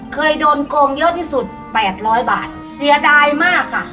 เคยโดนโกงเยอะที่สุด๘๐๐บาทเสียดายมากค่ะ